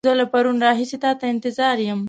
زه له پرون راهيسې تا ته انتظار يم.